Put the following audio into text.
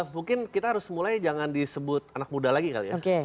mungkin kita harus mulai jangan disebut anak muda lagi kali ya